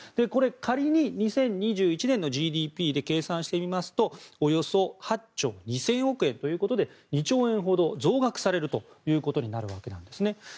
これ、仮に２０２１年のＧＤＰで計算してみますとおよそ８兆２０００億円ということで２兆円ほど増額されることになるわけです。